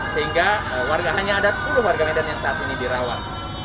sehingga warga hanya ada sepuluh warga medan yang saat ini dirawat